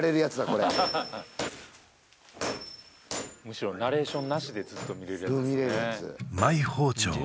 これむしろナレーションなしでずっと見れるやつ見れるやつ